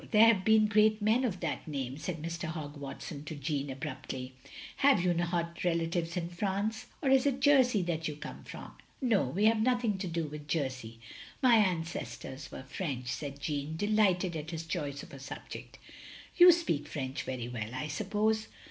There have been great men of that name, " said Mr. Hogg Watson to Jeanne, abruptly. "Have you not relatives in Prance? Or is it Jersey that you come from?" "No, we have nothing to do with Jersey, My ancestors were Prench, " said Jeanne, delighted at his choice of a subject. "You speak Prench very well, I suppose?"